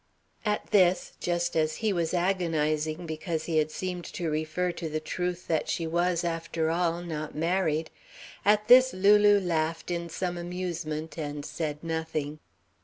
At this, just as he was agonising because he had seemed to refer to the truth that she was, after all, not married, at this Lulu laughed in some amusement, and said nothing.